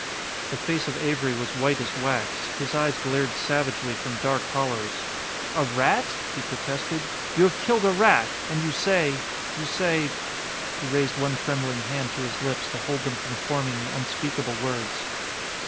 The face of Avery was white as wax; his eyes glared savagely from dark hollows. "A rat!" he protested. "You have killed a rat ... and you say you say " He raised one trembling hand to his lips to hold them from forming the unspeakable words.